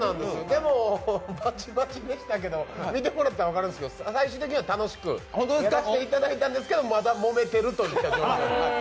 でも、バチバチでしたけど見てもらったら分かるんですけど最終的には楽しくやらせてもらったんですけどまだもめてるという。